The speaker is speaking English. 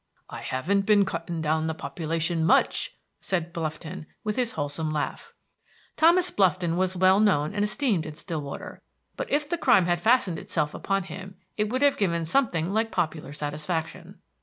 "I haven't been cutting down the population much," said Blufton, with his wholesome laugh. Thomas Blufton was well known and esteemed in Stillwater, but if the crime had fastened itself upon him it would have given something like popular satisfaction.